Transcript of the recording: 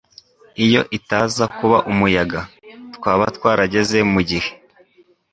iyo itaza kuba umuyaga, twaba twarageze mugihe